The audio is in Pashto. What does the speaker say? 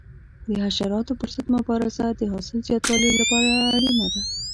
د حشراتو پر ضد مبارزه د حاصل زیاتوالي لپاره اړینه ده.